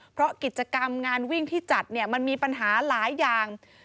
เพราะกิจกรรมงานวิ่งที่จัดเนี่ยมันมีปัญหาหลายอย่าง